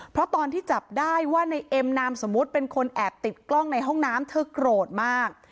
เพราะตอนที่จับได้ว่าในเอ็มนามสมมุติเป็นคนแอบติดกล้องในห้องน้ำเธอโกรธมาก